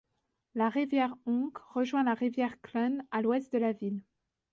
La rivière Unk rejoint la rivière Clun à l'ouest de la ville.